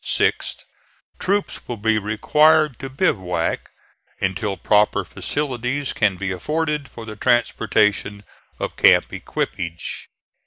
Sixth. Troops will be required to bivouac, until proper facilities can be afforded for the transportation of camp equipage.